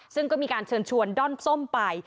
ซึ่งก็มีการเชิญชวนด้อนส้มไป